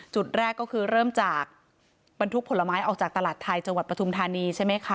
จุดแรกก็คือเริ่มจากบรรทุกผลไม้ออกจากตลาดไทยจังหวัดปฐุมธานีใช่ไหมคะ